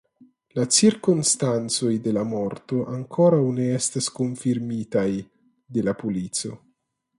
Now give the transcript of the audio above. La cirkonstancoj de la morto ankoraŭ ne estas konfirmitaj de la polico.